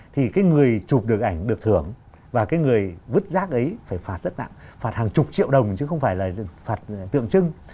thì cái người chụp được ảnh được thưởng và cái người vứt rác ấy phải phạt rất nặng phạt hàng chục triệu đồng chứ không phải là phạt tượng trưng